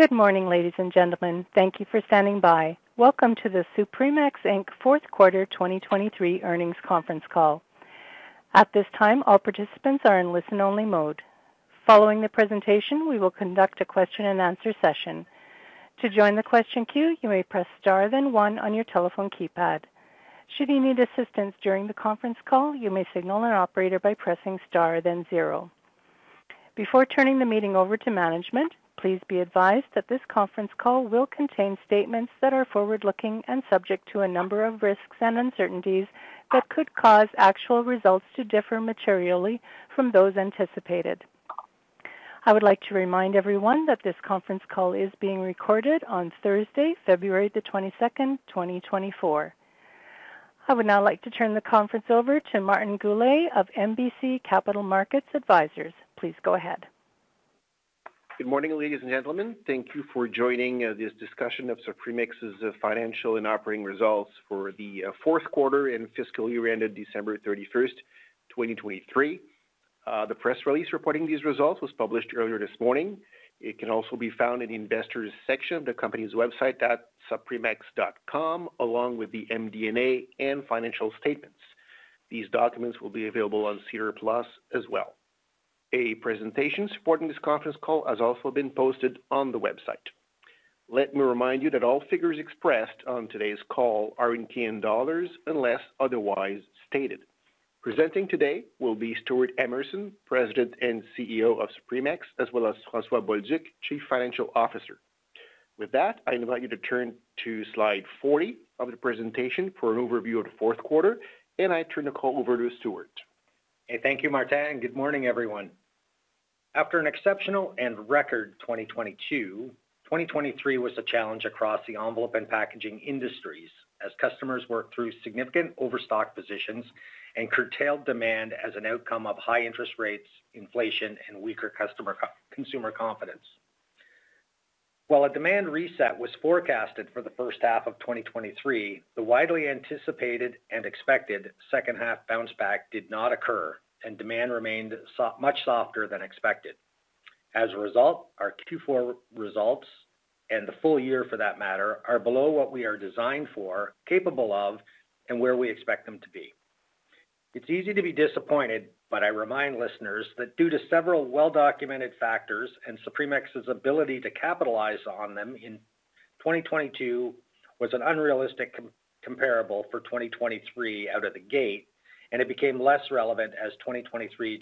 Good morning, ladies and gentlemen. Thank you for standing by. Welcome to the Supremex, Inc. Fourth Quarter 2023 Earnings Conference Call. At this time, all participants are in listen-only mode. Following the presentation, we will conduct a question-and-answer session. To join the question queue, you may press star then one on your telephone keypad. Should you need assistance during the conference call, you may signal an operator by pressing star then zero. Before turning the meeting over to management, please be advised that this conference call will contain statements that are forward-looking and subject to a number of risks and uncertainties that could cause actual results to differ materially from those anticipated. I would like to remind everyone that this conference call is being recorded on Thursday, February the 22nd, 2024. I would now like to turn the conference over to Martin Goulet of MBC Capital Markets Advisors. Please go ahead. Good morning, ladies and gentlemen. Thank you for joining this discussion of Supremex's Financial and Operating Results for the Fourth Quarter and Fiscal Year ended December 31st, 2023. The press release reporting these results was published earlier this morning. It can also be found in the investors section of the company's website at supremex.com, along with the MD&A and financial statements. These documents will be available on SEDAR+ as well. A presentation supporting this conference call has also been posted on the website. Let me remind you that all figures expressed on today's call are in Canadian dollars unless otherwise stated. Presenting today will be Stewart Emerson, President and CEO of Supremex, as well as Francois Bolduc, Chief Financial Officer. With that, I invite you to turn to slide 40 of the presentation for an overview of the fourth quarter, and I turn the call over to Stewart. Hey, thank you, Martin. Good morning, everyone. After an exceptional and record 2022, 2023 was a challenge across the Envelope and Packaging industries as customers worked through significant overstock positions and curtailed demand as an outcome of high interest rates, inflation, and weaker customer consumer confidence. While a demand reset was forecasted for the first half of 2023, the widely anticipated and expected second-half bounce back did not occur, and demand remained much softer than expected. As a result, our Q4 results and the full year for that matter are below what we are designed for, capable of, and where we expect them to be. It's easy to be disappointed, but I remind listeners that due to several well-documented factors and Supremex's ability to capitalize on them in 2022 was an unrealistic comparable for 2023 out of the gate, and it became less relevant as 2023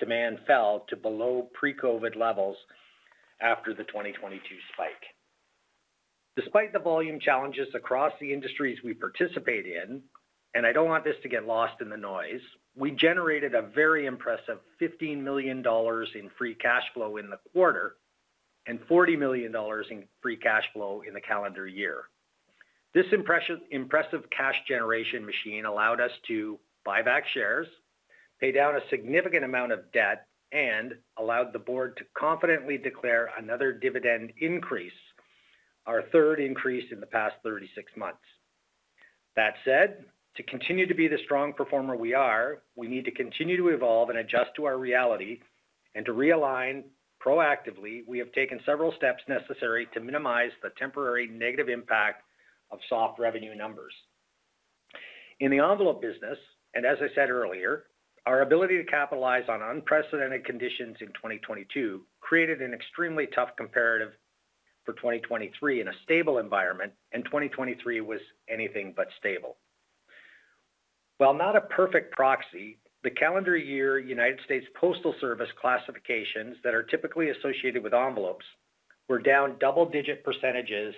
demand fell to below pre-COVID levels after the 2022 spike. Despite the volume challenges across the industries we participate in, and I don't want this to get lost in the noise, we generated a very impressive 15 million dollars in free cash flow in the quarter and 40 million dollars in free cash flow in the calendar year. This impressive cash generation machine allowed us to buy back shares, pay down a significant amount of debt, and allowed the board to confidently declare another dividend increase, our third increase in the past 36 months. That said, to continue to be the strong performer we are, we need to continue to evolve and adjust to our reality and to realign proactively. We have taken several steps necessary to minimize the temporary negative impact of soft revenue numbers. In the Envelope business, and as I said earlier, our ability to capitalize on unprecedented conditions in 2022 created an extremely tough comparative for 2023 in a stable environment, and 2023 was anything but stable. While not a perfect proxy, the calendar year United States Postal Service classifications that are typically associated with Envelopes were down double-digit percentages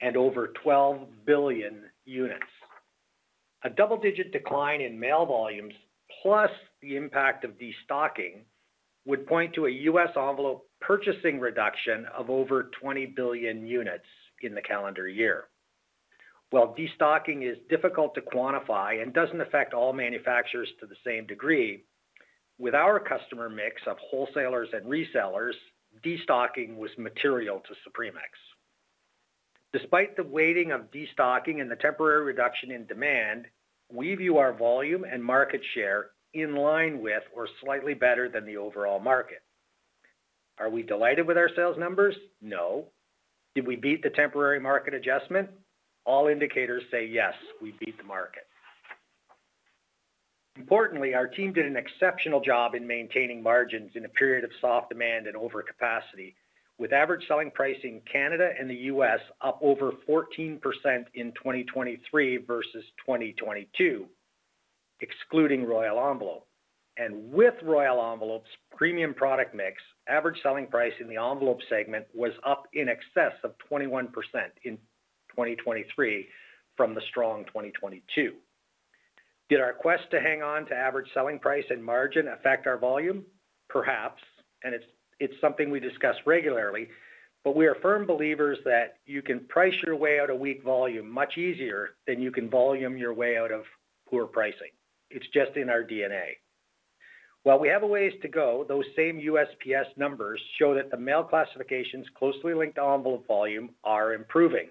and over 12 billion units. A double-digit decline in mail volumes plus the impact of destocking would point to a U.S. Envelope purchasing reduction of over 20 billion units in the calendar year. While destocking is difficult to quantify and doesn't affect all manufacturers to the same degree, with our customer mix of wholesalers and resellers, destocking was material to Supremex. Despite the weighting of destocking and the temporary reduction in demand, we view our volume and market share in line with or slightly better than the overall market. Are we delighted with our sales numbers? No. Did we beat the temporary market adjustment? All indicators say yes, we beat the market. Importantly, our team did an exceptional job in maintaining margins in a period of soft demand and overcapacity, with average selling pricing in Canada and the U.S. up over 14% in 2023 versus 2022, excluding Royal Envelope. And with Royal Envelope's premium product mix, average selling price in the Envelope segment was up in excess of 21% in 2023 from the strong 2022. Did our quest to hang on to average selling price and margin affect our volume? Perhaps, and it's something we discuss regularly, but we are firm believers that you can price your way out of weak volume much easier than you can volume your way out of poor pricing. It's just in our DNA. While we have a ways to go, those same USPS numbers show that the mail classifications closely linked to Envelope volume are improving,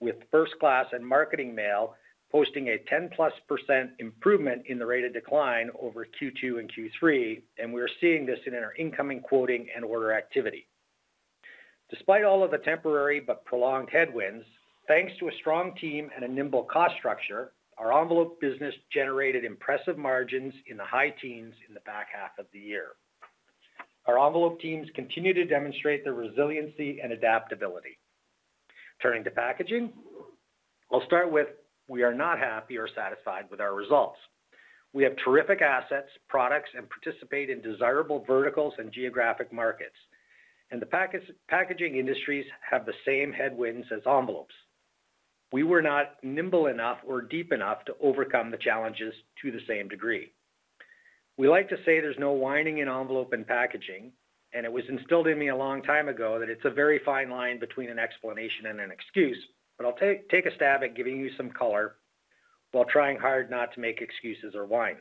with first-class and marketing mail posting a 10%+ improvement in the rate of decline over Q2 and Q3, and we are seeing this in our incoming quoting and order activity. Despite all of the temporary but prolonged headwinds, thanks to a strong team and a nimble cost structure, our Envelope business generated impressive margins in the high teens in the back half of the year. Our Envelope teams continue to demonstrate their resiliency and adaptability. Turning to packaging, I'll start with we are not happy or satisfied with our results. We have terrific assets, products, and participate in desirable verticals and geographic markets, and the packaging industries have the same headwinds as Envelopes. We were not nimble enough or deep enough to overcome the challenges to the same degree. We like to say there's no whining in Envelope and Packaging, and it was instilled in me a long time ago that it's a very fine line between an explanation and an excuse, but I'll take a stab at giving you some color while trying hard not to make excuses or whine.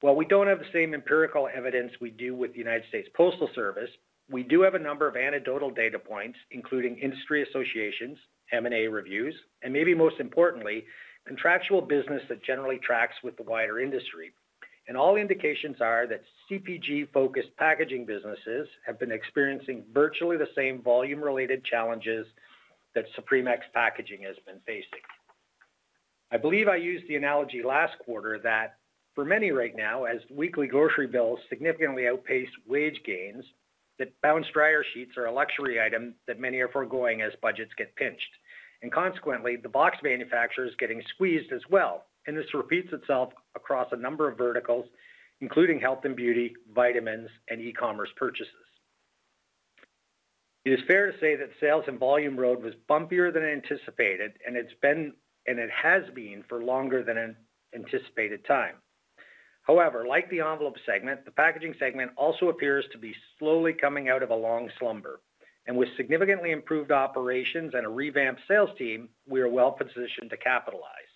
While we don't have the same empirical evidence we do with the United States Postal Service, we do have a number of anecdotal data points, including industry associations, M&A reviews, and maybe most importantly, contractual business that generally tracks with the wider industry. All indications are that CPG-focused Packaging businesses have been experiencing virtually the same volume-related challenges that Supremex Packaging has been facing. I believe I used the analogy last quarter that for many right now, as weekly grocery bills significantly outpace wage gains, that Bounce dryer sheets are a luxury item that many are foregoing as budgets get pinched. Consequently, the box manufacturer is getting squeezed as well, and this repeats itself across a number of verticals, including health and beauty, vitamins, and e-commerce purchases. It is fair to say that sales and volume rode was bumpier than anticipated, and it has been for longer than anticipated time. However, like the Envelope segment, the Packaging segment also appears to be slowly coming out of a long slumber, and with significantly improved operations and a revamped sales team, we are well-positioned to capitalize.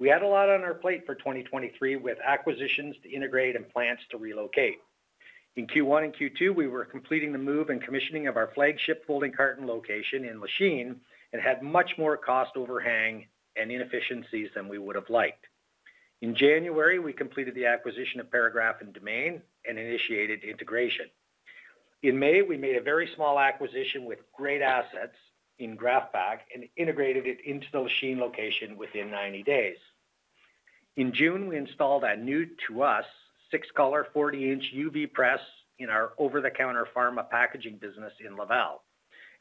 We had a lot on our plate for 2023 with acquisitions to integrate and plants to relocate. In Q1 and Q2, we were completing the move and commissioning of our flagship folding carton location in Lachine and had much more cost overhang and inefficiencies than we would have liked. In January, we completed the acquisition of Paragraph and Domain and initiated integration. In May, we made a very small acquisition with Great Assets in Graph-Pak and integrated it into the Lachine location within 90 days. In June, we installed a new-to-us six-color, 40-inch UV press in our Over-the-Counter Pharma Packaging business in Laval.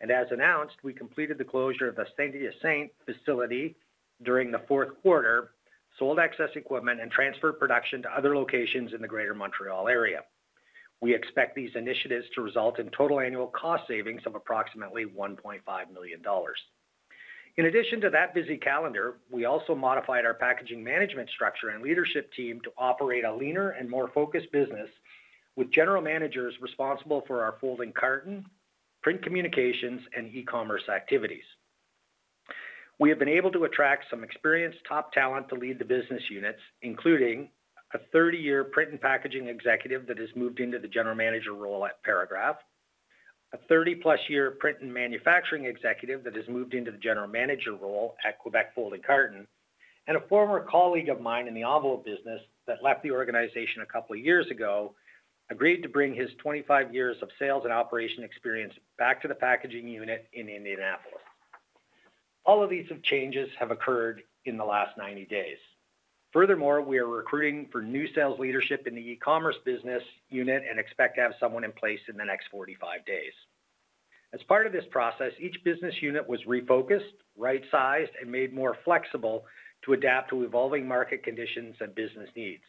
As announced, we completed the closure of the Saint-Hyacinthe facility during the fourth quarter, sold excess equipment, and transferred production to other locations in the greater Montreal area. We expect these initiatives to result in total annual cost savings of approximately 1.5 million dollars. In addition to that busy calendar, we also modified our Packaging management structure and leadership team to operate a leaner and more focused business with general managers responsible for our folding carton, print communications, and e-commerce activities. We have been able to attract some experienced top talent to lead the business units, including a 30-year Print and Packaging executive that has moved into the general manager role at Paragraph, a 30+-year print and manufacturing executive that has moved into the general manager role at Quebec Folding Carton, and a former colleague of mine in the Envelope business that left the organization a couple of years ago agreed to bring his 25 years of sales and operation experience back to the Packaging unit in Indianapolis. All of these changes have occurred in the last 90 days. Furthermore, we are recruiting for new sales leadership in the E-Commerce business unit and expect to have someone in place in the next 45 days. As part of this process, each business unit was refocused, right-sized, and made more flexible to adapt to evolving market conditions and business needs.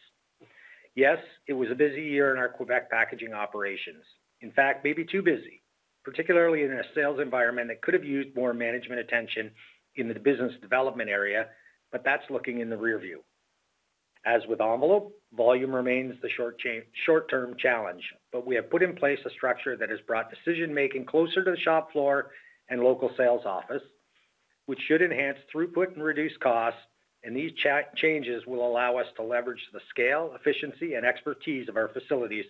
Yes, it was a busy year in our Québec packaging operations. In fact, maybe too busy, particularly in a sales environment that could have used more management attention in the business development area, but that's looking in the rearview. As with Envelope, volume remains the short-term challenge, but we have put in place a structure that has brought decision-making closer to the shop floor and local sales office, which should enhance throughput and reduce costs, and these changes will allow us to leverage the scale, efficiency, and expertise of our facilities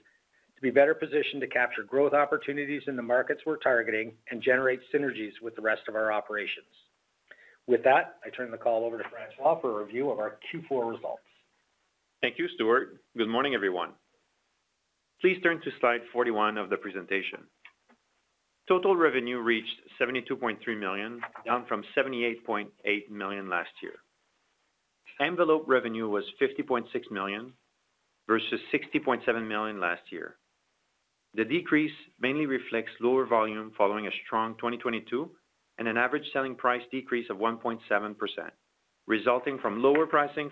to be better positioned to capture growth opportunities in the markets we're targeting and generate synergies with the rest of our operations. With that, I turn the call over to François for a review of our Q4 results. Thank you, Stewart. Good morning, everyone. Please turn to slide 41 of the presentation. Total revenue reached 72.3 million, down from 78.8 million last year. Envelope revenue was 50.6 million versus 60.7 million last year. The decrease mainly reflects lower volume following a strong 2022 and an average selling price decrease of 1.7%, resulting from lower pricing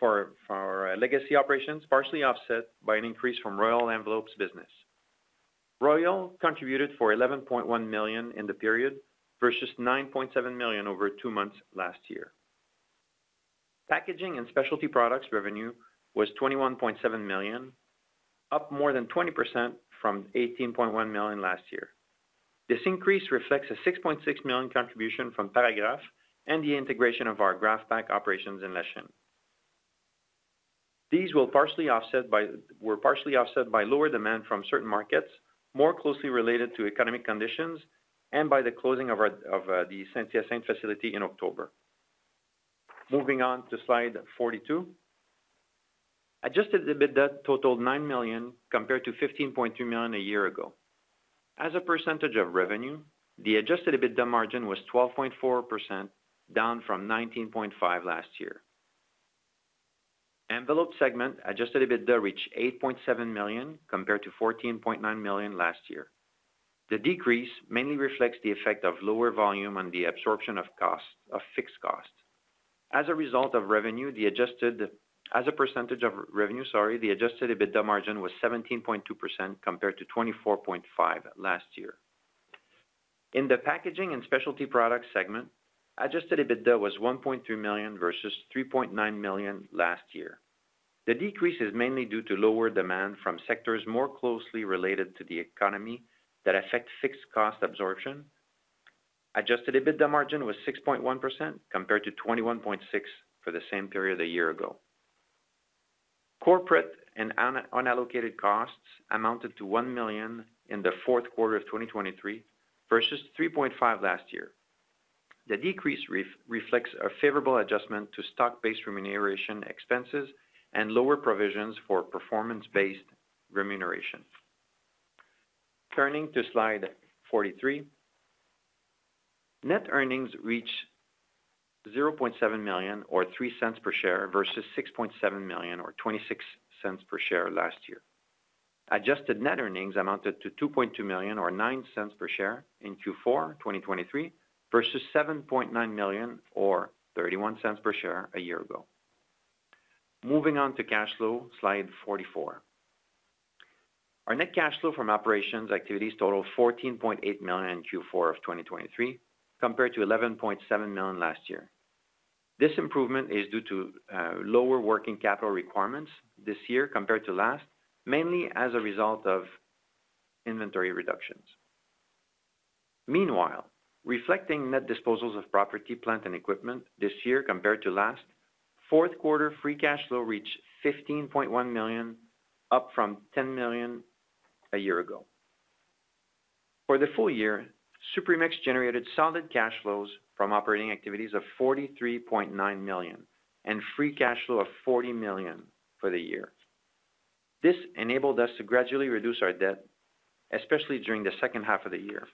for our legacy operations, partially offset by an increase from Royal Envelope's business. Royal contributed for 11.1 million in the period versus 9.7 million over two months last year. Packaging and Specialty products revenue was 21.7 million, up more than 20% from 18.1 million last year. This increase reflects a 6.6 million contribution from Paragraph and the integration of our Graf-Pak operations in Lachine. These were partially offset by lower demand from certain markets, more closely related to economic conditions, and by the closing of the Saint-Hyacinthe facility in October. Moving on to slide 42. Adjusted EBITDA totaled 9 million compared to 15.2 million a year ago. As a percentage of revenue, the adjusted EBITDA margin was 12.4%, down from 19.5% last year. Envelope segment adjusted EBITDA reached 8.7 million compared to 14.9 million last year. The decrease mainly reflects the effect of lower volume on the absorption of fixed costs. As a percentage of revenue, the adjusted EBITDA margin was 17.2% compared to 24.5% last year. In the Packaging and Specialty products segment, adjusted EBITDA was 1.3 million versus 3.9 million last year. The decrease is mainly due to lower demand from sectors more closely related to the economy that affect fixed cost absorption. Adjusted EBITDA margin was 6.1% compared to 21.6% for the same period a year ago. Corporate and unallocated costs amounted to 1 million in the fourth quarter of 2023 versus 3.5 million last year. The decrease reflects a favorable adjustment to stock-based remuneration expenses and lower provisions for performance-based remuneration. Turning to slide 43. Net earnings reached 0.7 million or 0.03 per share versus 6.7 million or 0.26 per share last year. Adjusted net earnings amounted to 2.2 million or 0.09 per share in Q4 2023 versus 7.9 million or 0.31 per share a year ago. Moving on to cash flow, slide 44. Our net cash flow from operations activities totaled 14.8 million in Q4 of 2023 compared to 11.7 million last year. This improvement is due to lower working capital requirements this year compared to last, mainly as a result of inventory reductions. Meanwhile, reflecting net disposals of property, plant, and equipment this year compared to last, fourth quarter free cash flow reached 15.1 million, up from 10 million a year ago. For the full year, Supremex generated solid cash flows from operating activities of 43.9 million and free cash flow of 40 million for the year. This enabled us to gradually reduce our debt, especially during the second half of the year.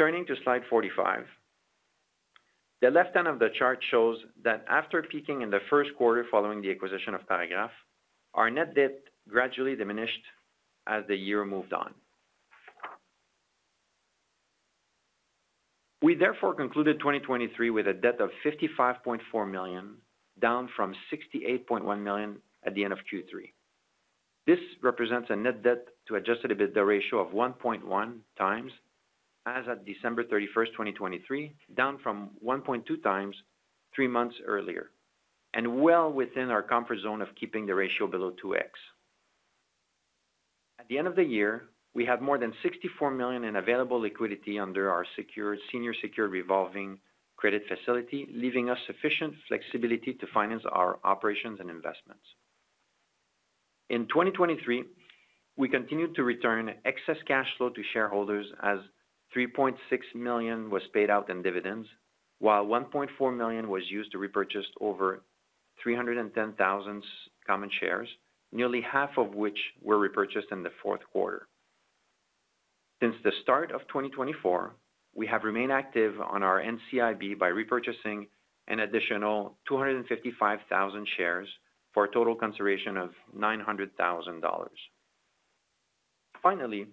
Turning to slide 45. The left end of the chart shows that after peaking in the first quarter following the acquisition of Paragraph, our net debt gradually diminished as the year moved on. We therefore concluded 2023 with a debt of 55.4 million, down from 68.1 million at the end of Q3. This represents a net debt-to-adjusted EBITDA ratio of 1.1x as at December 31, 2023, down from 1.2x three months earlier, and well within our comfort zone of keeping the ratio below 2x. At the end of the year, we had more than 64 million in available liquidity under our senior-secured revolving credit facility, leaving us sufficient flexibility to finance our operations and investments. In 2023, we continued to return excess cash flow to shareholders as 3.6 million was paid out in dividends, while 1.4 million was used to repurchase over 310,000 common shares, nearly half of which were repurchased in the fourth quarter. Since the start of 2024, we have remained active on our NCIB by repurchasing an additional 255,000 shares for a total consideration of 900,000 dollars. Finally,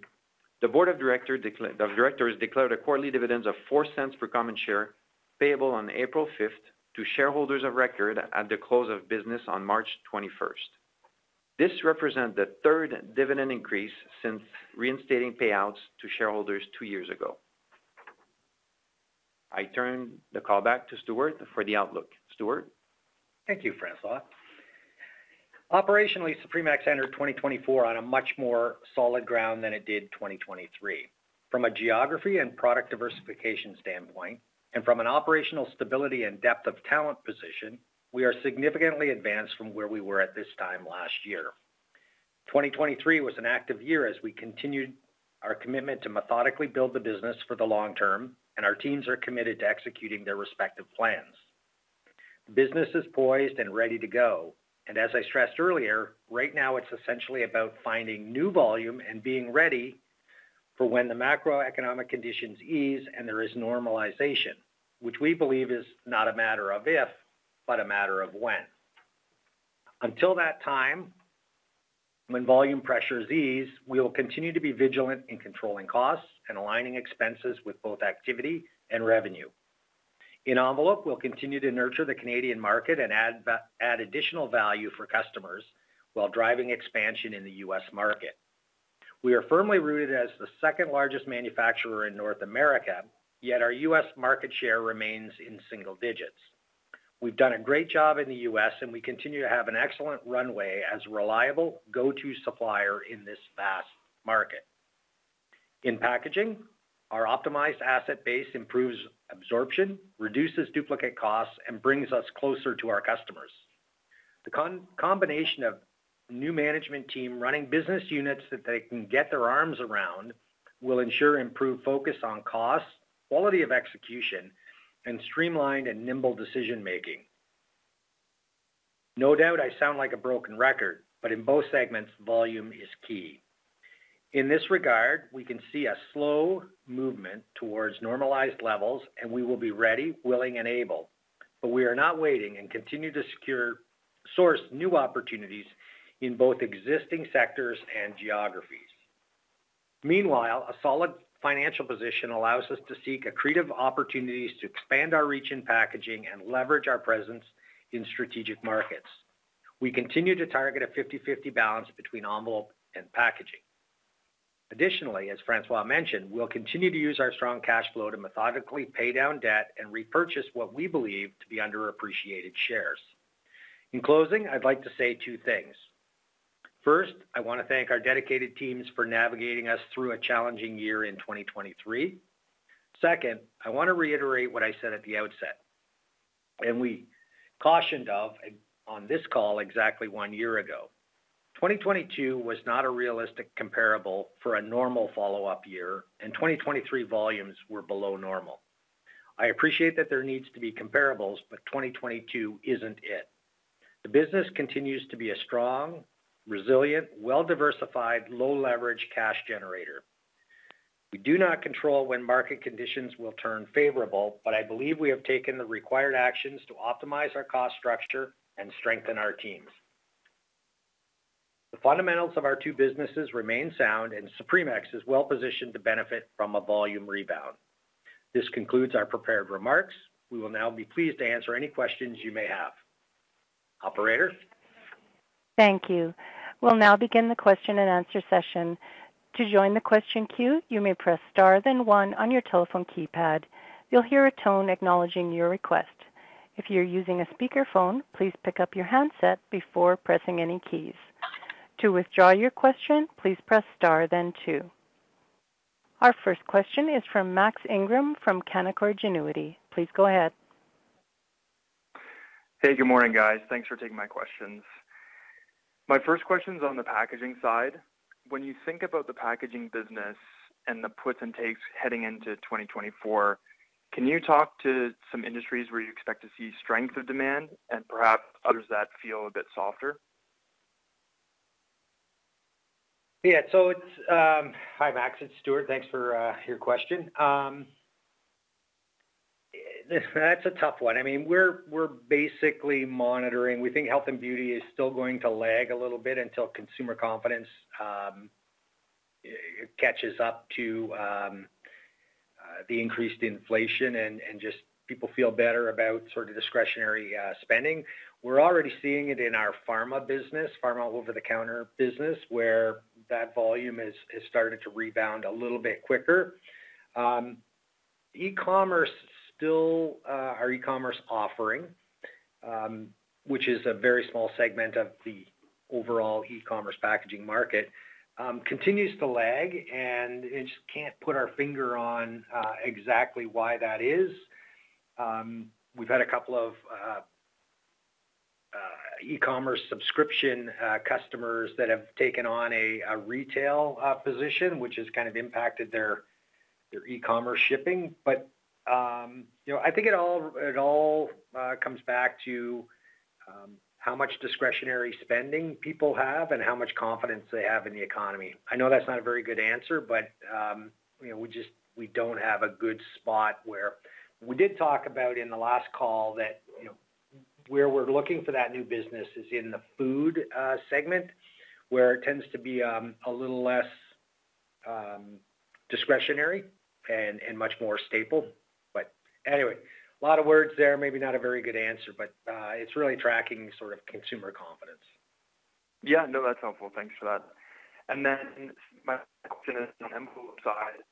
the board of directors declared a quarterly dividend of 0.04 per common share payable on April 5th to shareholders of record at the close of business on March 21st. This represents the third dividend increase since reinstating payouts to shareholders two years ago. I turn the call back to Stewart for the outlook. Stewart? Thank you, Francois. Operationally, Supremex entered 2024 on a much more solid ground than it did 2023. From a geography and product diversification standpoint, and from an operational stability and depth of talent position, we are significantly advanced from where we were at this time last year. 2023 was an active year as we continued our commitment to methodically build the business for the long term, and our teams are committed to executing their respective plans. The business is poised and ready to go, and as I stressed earlier, right now it's essentially about finding new volume and being ready for when the macroeconomic conditions ease and there is normalization, which we believe is not a matter of if, but a matter of when. Until that time, when volume pressures ease, we will continue to be vigilant in controlling costs and aligning expenses with both activity and revenue. In Envelopes, we'll continue to nurture the Canadian market and add additional value for customers while driving expansion in the U.S. market. We are firmly rooted as the second largest manufacturer in North America, yet our U.S. market share remains in single digits. We've done a great job in the U.S., and we continue to have an excellent runway as a reliable go-to supplier in this vast market. In Packaging, our optimized asset base improves absorption, reduces duplicate costs, and brings us closer to our customers. The combination of a new management team running business units that they can get their arms around will ensure improved focus on costs, quality of execution, and streamlined and nimble decision-making. No doubt I sound like a broken record, but in both segments, volume is key. In this regard, we can see a slow movement towards normalized levels, and we will be ready, willing, and able, but we are not waiting and continue to source new opportunities in both existing sectors and geographies. Meanwhile, a solid financial position allows us to seek accretive opportunities to expand our reach in Packaging and leverage our presence in strategic markets. We continue to target a 50/50 balance between Envelope and Packaging. Additionally, as François mentioned, we'll continue to use our strong cash flow to methodically pay down debt and repurchase what we believe to be underappreciated shares. In closing, I'd like to say two things. First, I want to thank our dedicated teams for navigating us through a challenging year in 2023. Second, I want to reiterate what I said at the outset, and we cautioned of on this call exactly one year ago. 2022 was not a realistic comparable for a normal follow-up year, and 2023 volumes were below normal. I appreciate that there needs to be comparables, but 2022 isn't it. The business continues to be a strong, resilient, well-diversified, low-leverage cash generator. We do not control when market conditions will turn favorable, but I believe we have taken the required actions to optimize our cost structure and strengthen our teams. The fundamentals of our two businesses remain sound, and Supremex is well-positioned to benefit from a volume rebound. This concludes our prepared remarks. We will now be pleased to answer any questions you may have. Operator? Thank you. We'll now begin the question-and-answer session. To join the question queue, you may press star then one on your telephone keypad. You'll hear a tone acknowledging your request. If you're using a speakerphone, please pick up your handset before pressing any keys. To withdraw your question, please press star then two. Our first question is from Max Ingram from Canaccord Genuity. Please go ahead. Hey, good morning, guys. Thanks for taking my questions. My first question is on the Packaging side. When you think about the Packaging business and the puts and takes heading into 2024, can you talk to some industries where you expect to see strength of demand and perhaps others that feel a bit softer? Yeah. Hi, Max. It's Stewart. Thanks for your question. That's a tough one. I mean, we're basically monitoring. We think health and beauty is still going to lag a little bit until consumer confidence catches up to the increased inflation and just people feel better about sort of discretionary spending. We're already seeing it in our Pharma business, Pharma Over-the-Counter business, where that volume has started to rebound a little bit quicker. Our E-Commerce offering, which is a very small segment of the overall e-commerce Packaging market, continues to lag, and I just can't put our finger on exactly why that is. We've had a couple of e-commerce subscription customers that have taken on a retail position, which has kind of impacted their e-commerce shipping. But I think it all comes back to how much discretionary spending people have and how much confidence they have in the economy. I know that's not a very good answer, but we don't have a good spot where we did talk about in the last call that where we're looking for that new business is in the food segment, where it tends to be a little less discretionary and much more stable. Anyway, a lot of words there, maybe not a very good answer, but it's really tracking sort of consumer confidence. Yeah. No, that's helpful. Thanks for that. And then my question is on the Envelope side.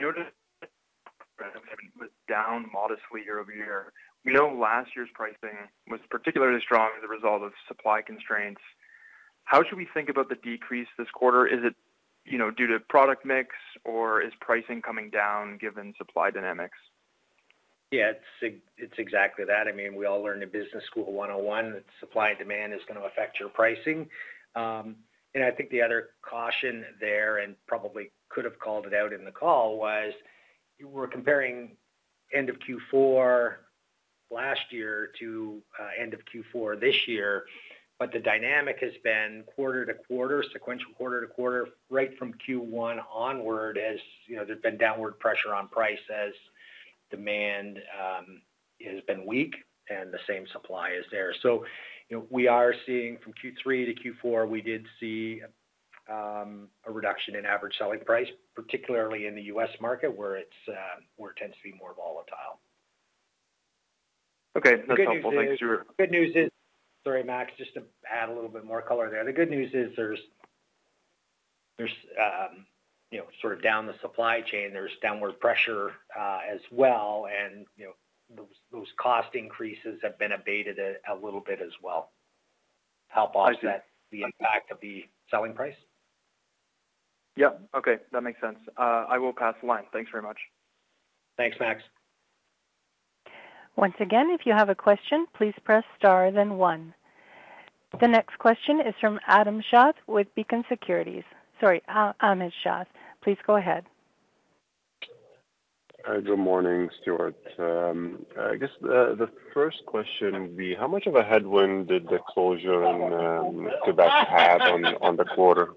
Your transaction was down modestly year-over-year. We know last year's pricing was particularly strong as a result of supply constraints. How should we think about the decrease this quarter? Is it due to product mix, or is pricing coming down given supply dynamics? Yeah, it's exactly that. I mean, we all learned in Business School 101 that supply and demand is going to affect your pricing. And I think the other caution there and probably could have called it out in the call was we were comparing end of Q4 last year to end of Q4 this year, but the dynamic has been quarter to quarter, sequential quarter to quarter, right from Q1 onward as there's been downward pressure on price as demand has been weak and the same supply is there. So we are seeing from Q3-Q4, we did see a reduction in average selling price, particularly in the U.S. market where it tends to be more volatile. Okay. That's helpful. Good news is, sorry, Max, just to add a little bit more color there. The good news is there's sort of down the supply chain, there's downward pressure as well, and those cost increases have been abated a little bit as well. Help offset the impact of the selling price? Yep. Okay. That makes sense. I will pass the line. Thanks very much. Thanks, Max. Once again, if you have a question, please press star then one. The next question is from Ahmad Shaath with Beacon Securities. Sorry, Ahmad Shaath. Please go ahead. Good morning, Stewart. I guess the first question would be, how much of a headwind did the closure in Quebec have on the quarter?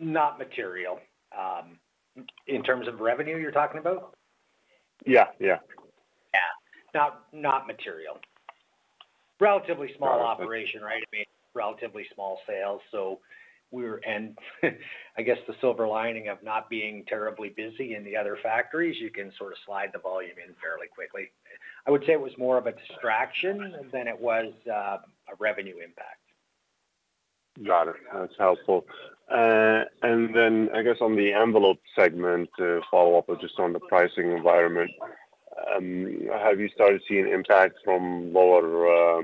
Not material. In terms of revenue, you're talking about? Not material. Relatively small operation, right? I mean, relatively small sales. So I guess the silver lining of not being terribly busy in the other factories, you can sort of slide the volume in fairly quickly. I would say it was more of a distraction than it was a revenue impact. Got it. That's helpful. And then I guess on the Envelope segment, to follow up just on the pricing environment, have you started seeing impact from lower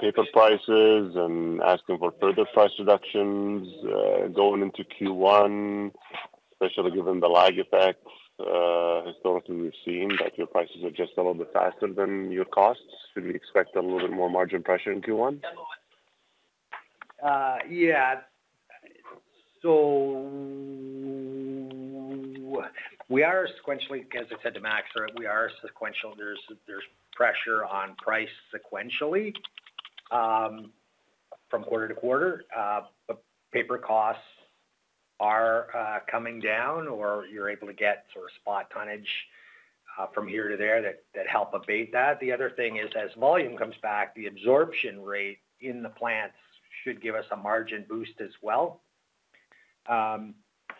paper prices and asking for further price reductions going into Q1, especially given the lag effects historically we've seen that your prices are just a little bit faster than your costs? Should we expect a little bit more margin pressure in Q1? Yeah. So we are sequentially as I said to Max, we are sequential. There's pressure on price sequentially from quarter to quarter, but paper costs are coming down, or you're able to get sort of spot tonnage from here to there that help abate that. The other thing is, as volume comes back, the absorption rate in the plants should give us a margin boost as well.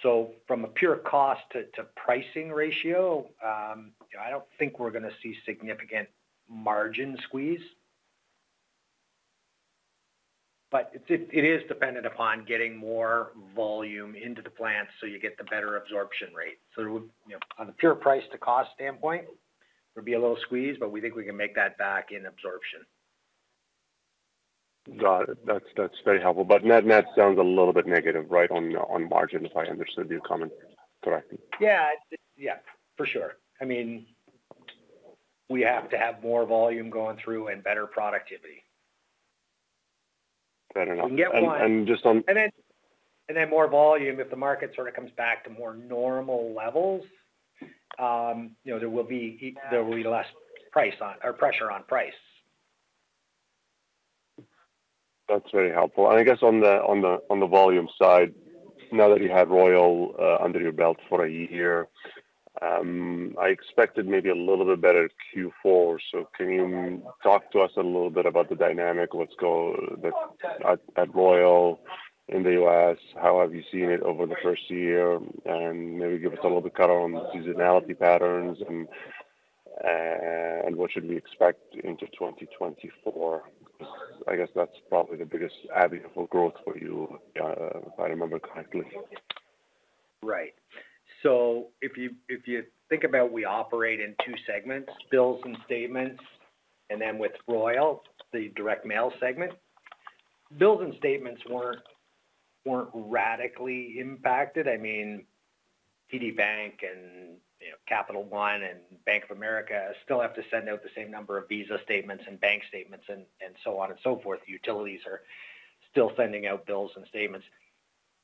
So from a pure cost to pricing ratio, I don't think we're going to see significant margin squeeze. But it is dependent upon getting more volume into the plants so you get the better absorption rate. So on a pure price-to-cost standpoint, there'll be a little squeeze, but we think we can make that back in absorption. Got it. That's very helpful. But net-net sounds a little bit negative, right, on margin if I understood your comment correctly? Yeah. Yeah. For sure. I mean, we have to have more volume going through and better productivity. Better not. And just on. Then more volume. If the market sort of comes back to more normal levels, there will be less pressure on price. That's very helpful. And I guess on the volume side, now that you had Royal under your belt for a year, I expected maybe a little bit better Q4. So can you talk to us a little bit about the dynamic, what's going on at Royal in the U.S., how have you seen it over the first year, and maybe give us a little bit cut on seasonality patterns and what should we expect into 2024? Because I guess that's probably the biggest avenue for growth for you, if I remember correctly. Right. So if you think about we operate in two segments, bills and statements, and then with Royal, the direct mail segment, bills and statements weren't radically impacted. I mean, TD Bank and Capital One and Bank of America still have to send out the same number of Visa statements and bank statements and so on and so forth. Utilities are still sending out bills and statements.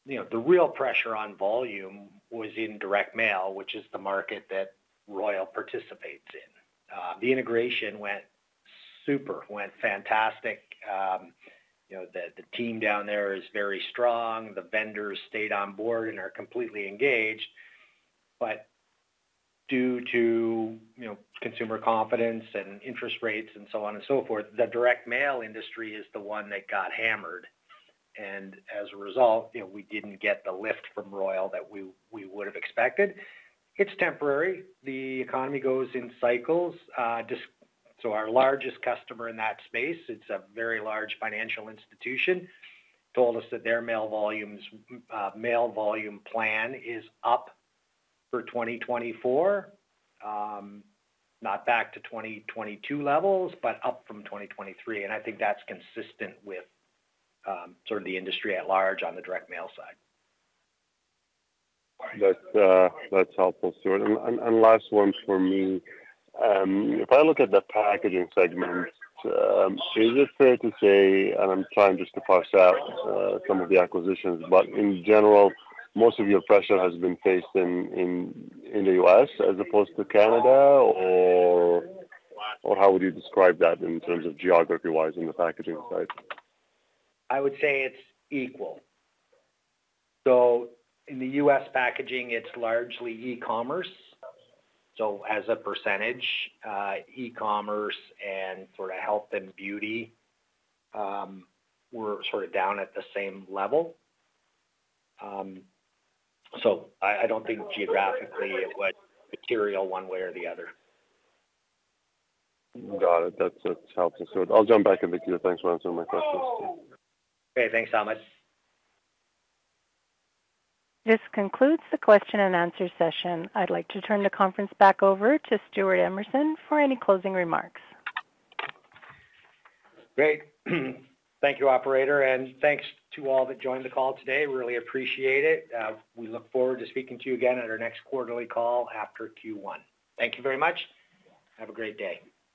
The real pressure on volume was in direct mail, which is the market that Royal participates in. The integration went super, went fantastic. The team down there is very strong. The vendors stayed on board and are completely engaged. But due to consumer confidence and interest rates and so on and so forth, the direct mail industry is the one that got hammered. And as a result, we didn't get the lift from Royal that we would have expected. It's temporary. The economy goes in cycles. So our largest customer in that space, it's a very large financial institution, told us that their mail volume plan is up for 2024, not back to 2022 levels, but up from 2023. And I think that's consistent with sort of the industry at large on the direct mail side. That's helpful, Stewart. And last one for me. If I look at the packaging segment, is it fair to say and I'm trying just to parse out some of the acquisitions, but in general, most of your pressure has been faced in the U.S. as opposed to Canada, or how would you describe that in terms of geography-wise on the packaging side? I would say it's equal. So in the U.S. packaging, it's largely e-commerce. So as a percentage, e-commerce and sort of health and beauty were sort of down at the same level. So I don't think geographically it was material one way or the other. Got it. That's helpful, Stewart. I'll jump back into queue. Thanks for answering my questions. Okay. Thanks, Ahmad. This concludes the question-and-answer session. I'd like to turn the conference back over to Stewart Emerson for any closing remarks. Great. Thank you, operator. And thanks to all that joined the call today. Really appreciate it. We look forward to speaking to you again at our next quarterly call after Q1. Thank you very much. Have a great day.